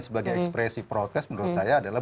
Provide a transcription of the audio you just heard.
sebagai ekspresi protes menurut saya adalah